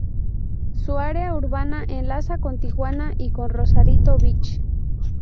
Su area urbana enlaza con Tijuana y con Rosarito Beach.